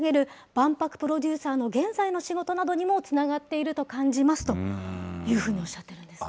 万博プロデューサーの現在の仕事などにもつながっていると感じますというふうにおっしゃっているんですね。